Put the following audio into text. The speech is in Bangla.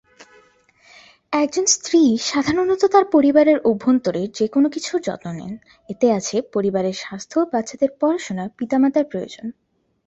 একজন স্ত্রী সাধারণত তার পরিবারের অভ্যন্তরের যেকোনো কিছুর যত্ন নেন, এতে আছে পরিবারের স্বাস্থ্য, বাচ্চাদের পড়াশোনা, পিতামাতার প্রয়োজন।